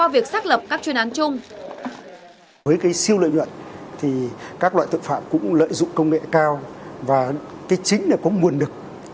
với cái siêu lợi nhuận thì các loại tội phạm cũng lợi dụng công nghệ cao và chính là có nguồn lực